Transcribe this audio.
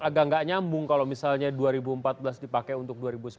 agak nggak nyambung kalau misalnya dua ribu empat belas dipakai untuk dua ribu sembilan belas